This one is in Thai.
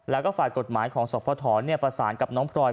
แล้วก็ฝ่ายกฎหมายของสพประสานกับน้องพลอย